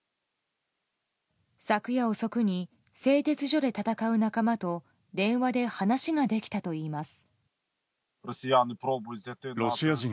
昨夜遅くに製鉄所で戦う仲間と電話で話ができたといいます。